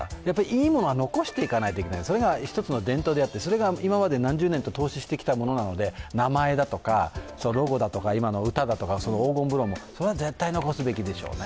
いいものは残していかないといけない、それが一つの伝統であって、それが何十年と投資してきたものなので、名前だとかロゴだとか今の歌だとか黄金風呂も、それは絶対残すべきでしょうね。